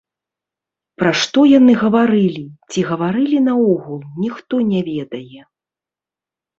Пра што яны гаварылі, ці гаварылі наогул, ніхто не ведае.